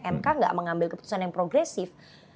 mk nggak mengambil keputusan yang progresif